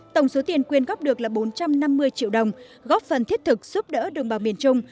tổng số tiền quyên góp được là bốn trăm năm mươi triệu đồng góp phần thiết thực giúp đỡ đồng bào miền trung